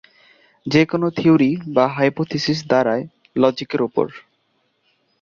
যে কোনো থিওরি বা হাইপোথিসিস দাঁড়ায় লজিকের ওপর।